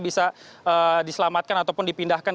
bisa diselamatkan ataupun dipindahkan